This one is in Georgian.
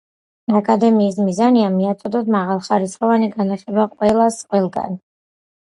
აკადემიის მიზანია, „მიაწოდოს მაღალხარისხიანი განათლება ყველას, ყველგან“.